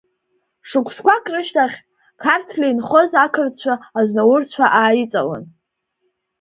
Шықәсқәак рышьҭахь, Қарҭли инхоз ақырҭцәа азнаурцәа ааиҵалан…